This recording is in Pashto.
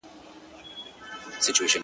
دغه نجلۍ نن له هيندارې څخه زړه راباسي,